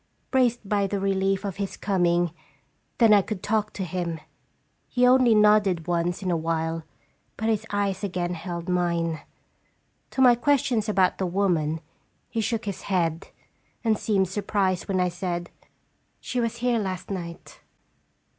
Braced by the relief of his coming, then I could talk to him. He only nodded once in a while, but his eyes again held mine. To my questions about the woman, he shook his head, and seemed surprised when I said, " She was here last night.